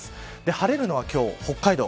晴れるのは今日、北海道